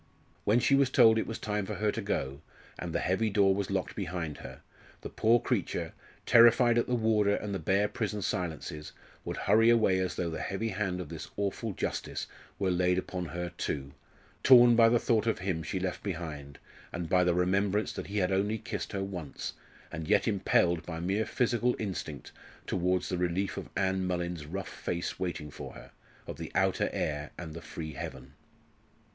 When she was told it was time for her to go, and the heavy door was locked behind her, the poor creature, terrified at the warder and the bare prison silences, would hurry away as though the heavy hand of this awful Justice were laid upon her too, torn by the thought of him she left behind, and by the remembrance that he had only kissed her once, and yet impelled by mere physical instinct towards the relief of Ann Mullins's rough face waiting for her of the outer air and the free heaven.